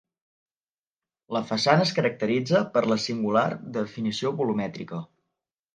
La façana es caracteritza per la singular definició volumètrica.